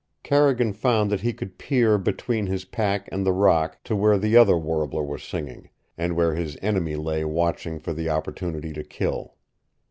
Carrigan found that he could peer between his pack and the rock to where the other warbler was singing and where his enemy lay watching for the opportunity to kill.